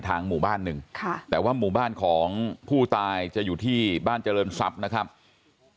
หมู่บ้านหนึ่งค่ะแต่ว่าหมู่บ้านของผู้ตายจะอยู่ที่บ้านเจริญทรัพย์นะครับ